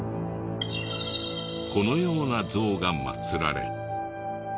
このような像が祀られ。